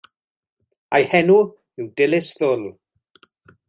A'i henw yw Dilys Ddwl.